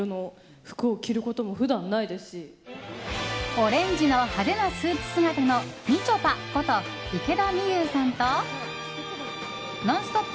オレンジの派手なスーツ姿のみちょぱこと池田美優さんと「ノンストップ！」